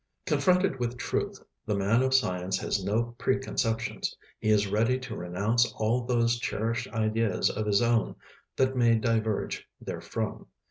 Confronted with truth, the man of science has no pre conceptions; he is ready to renounce all those cherished ideas of his own that may diverge therefrom.